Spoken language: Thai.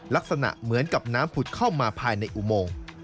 ลักษณะเหมือนกับน้ำผุดเข้ามาภายในอุโมง